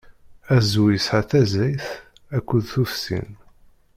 Azwu yesɛa taẓẓayt akked tufsin.